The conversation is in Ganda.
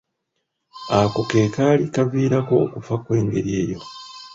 Ako ke kaali kaviirako okufa okw’engeri eyo.